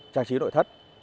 trang trí nội thất